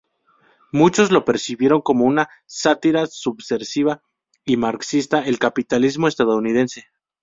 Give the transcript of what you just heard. Muchos lo percibieron como una sátira subversiva y marxista al capitalismo estadounidense.